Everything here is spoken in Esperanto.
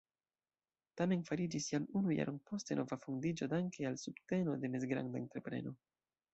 Tamen fariĝis jam unu jaron poste nova fondiĝo danke al subteno de mezgranda entrepreno.